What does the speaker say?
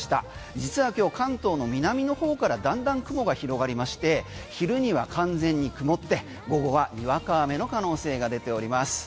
実は今日、関東の南の方からだんだん雲が広がりまして昼には完全に曇って午後はにわか雨の可能性が出ております。